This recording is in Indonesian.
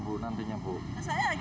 penumpang buka janji